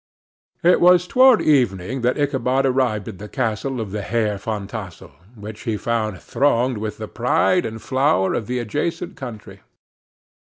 It was toward evening that Ichabod arrived at the castle of the Heer Van Tassel, which he found thronged with the pride and flower of the adjacent country.